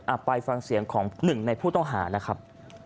ไปฟังเสียงของหนึ่งในผู้ต้องหานะครับ